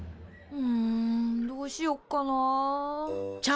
んどうしよっかなあ。